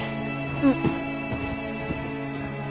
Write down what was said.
うん。